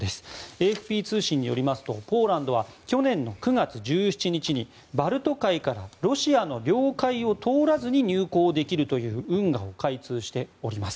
ＡＦＰ通信によりますとポーランドは去年９月１７日にバルト海からロシアの領海を通らずに入港できるという運河を開通しております。